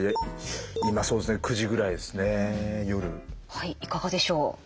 はいいかがでしょう？